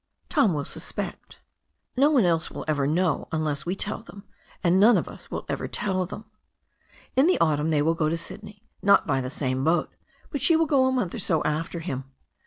Tom will suspect. No one else will ever know unless we tell them, and none of us will ever tell them. In the autumn they will go to Syd ney, not by the same boat, but she will go a month or so after him.